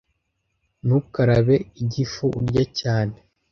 Ntukarabe igifu urya cyane.